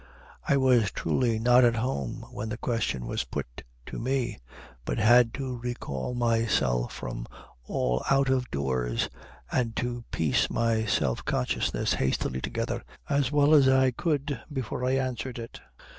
I was truly not at home when the question was put to me, but had to recall myself from all out of doors, and to piece my self consciousness hastily together as well as I could before I answered it.